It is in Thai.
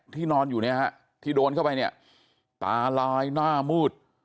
ที่นอนอยู่นี่ฮะที่โดนเข้าไปตาลายหน้ามืด